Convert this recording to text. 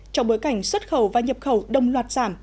trong bối cảnh xuất khẩu và nhập khẩu đồng loạt giảm